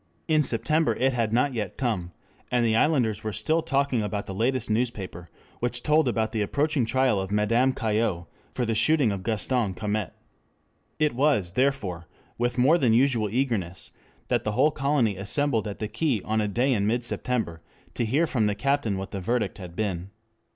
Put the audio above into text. In September it had not yet come, and the islanders were still talking about the latest newspaper which told about the approaching trial of Madame Caillaux for the shooting of Gaston Calmette. It was, therefore, with more than usual eagerness that the whole colony assembled at the quay on a day in mid September to hear from the captain what the verdict had been.